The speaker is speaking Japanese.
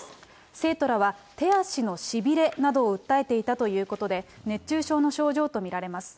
生徒らは、手足のしびれなどを訴えていたということで、熱中症の症状と見られます。